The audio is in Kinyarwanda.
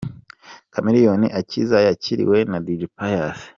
Chameleone akiza yakiriwe na Dj Pius.